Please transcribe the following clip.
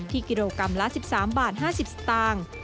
กิโลกรัมละ๑๓บาท๕๐สตางค์